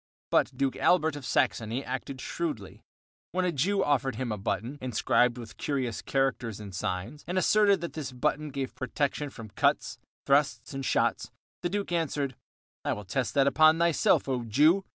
... But Duke Albert of Saxony acted shrewdly. When a Jew offered him a button, inscribed with curious characters and signs, and asserted that this button gave protection from cuts, thrusts, and shots, the Duke answered: "I will test that upon thyself, O Jew."